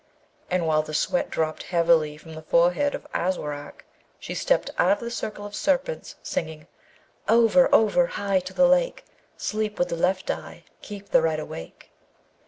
And while the sweat dropped heavily from the forehead of Aswarak, she stepped out of the circle of serpents, singing, Over! over! Hie to the lake! Sleep with the left eye, Keep the right awake.